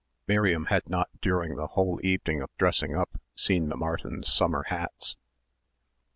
Miriam had not during the whole evening of dressing up seen the Martins' summer hats....